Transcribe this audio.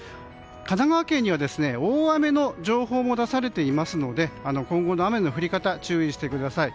神奈川県には大雨の情報も出されていますので今後の雨の降り方に注意してください。